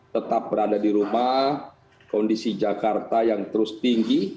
tetap berada di rumah kondisi jakarta yang terus tinggi